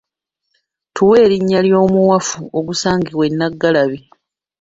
Tuwe erinnya ly’omuwafu ogusangibwa e Nnaggalabi